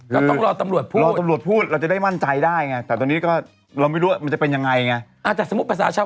ก็พลิกไปทางนู้น